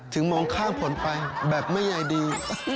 ถึงมองข้างผ่อนไปแบบไม่ใหญ่ดี